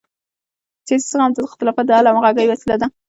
سیاسي زغم د اختلافاتو د حل او همغږۍ وسیله ده